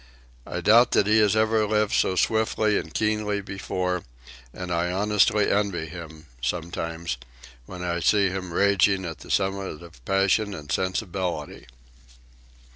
I doubt that he has ever lived so swiftly and keenly before, and I honestly envy him, sometimes, when I see him raging at the summit of passion and sensibility."